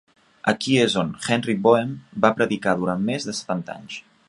Aquí és on Henry Boehm va predicar durant més de setanta anys.